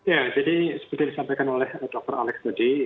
ya jadi seperti disampaikan oleh dr alex tadi